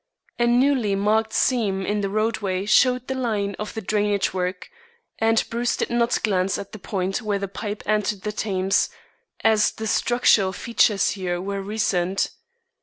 A newly marked seam in the roadway showed the line of the drainage work, and Bruce did not glance at the point where the pipe entered the Thames, as the structural features here were recent.